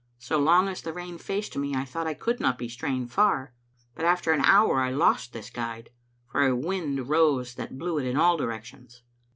So long as the rain faced me I thought I could not be straying far; but after an hour I lost this guide, for a wind rose that blew it in all directions.